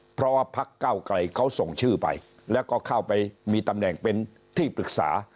เพราะว่าพักเก้าไกลเขาส่งชื่อไปแล้วก็เข้าไปมีตำแหน่งเป็นที่ปรึกษา